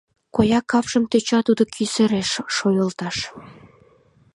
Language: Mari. Коя капшым тӧча тудо кӱ сереш шойылташ.